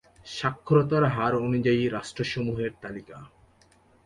সাক্ষরতার হার অনুযায়ী রাষ্ট্রসমূহের তালিকা